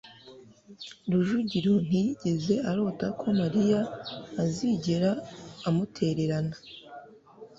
rujugiro ntiyigeze arota ko mariya azigera amutererana